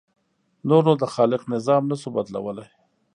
نور نو د خالق نظام نه شو بدلولی.